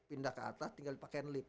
pindah ke atas tinggal pakaian lip